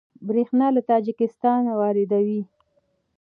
بریښنا له تاجکستان واردوي